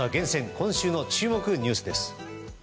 今週の注目ニュースです。